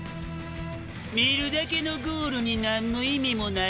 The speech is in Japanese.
見るだけのゴールに何の意味もないよ？